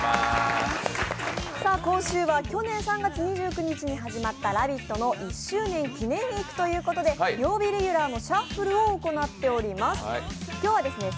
今週は去年３月２９日に始まった「ラヴィット！」の１周年記念ウイークということで曜日レギュラーのシャッフルを行っております。